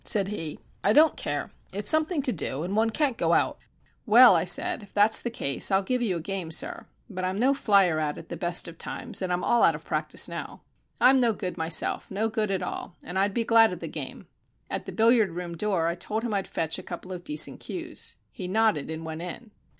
said he. "I don't care. It's something to do, and one can't go out." "Well," I said, "if that's the case, I'll give you a game, sir. But I'm no flyer at it at the best of times, and I'm all out of practice now." "I'm no good myself. No good at all. And I'd be glad of the game." At the billiard room door I told him I'd fetch a couple of decent cues. He nodded and went in.